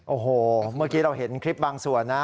โอ้โหเมื่อกี้เราเห็นคลิปบางส่วนนะ